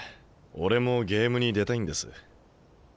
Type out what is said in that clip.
俺もゲームに出たいんです。